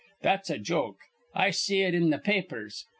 That's a joke. I see it in th' pa apers.